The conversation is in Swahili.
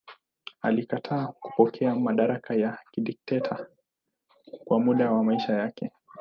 Alikataa kupokea madaraka ya dikteta kwa muda wa maisha yake.